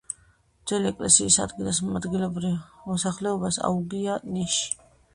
ძველი ეკლესიის ადგილას ადგილობრივ მოსახლეობას აუგია ნიში.